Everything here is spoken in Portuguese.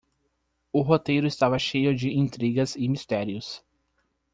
O roteiro estava cheio de intrigas e mistérios.